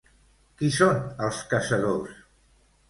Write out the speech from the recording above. Qui són els caçadors?